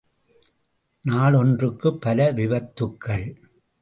நாளொன்றுக்குப் பல விபத்துக்கள்!